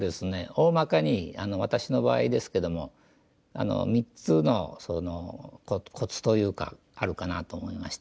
おおまかに私の場合ですけども３つのコツというかあるかなと思いまして。